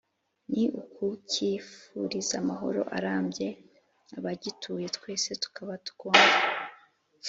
ni ukukifuriza amahoro arambye, abagituye twese tukaba tugomba